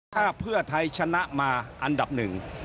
ถ้าเพื่อไทยชนะมาอันดับหนึ่ง